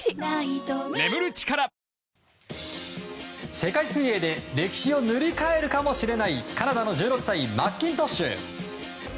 世界水泳で歴史を塗り替えるかもしれないカナダの１６歳マッキントッシュ。